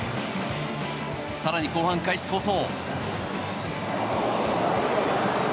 更に後半開始早々。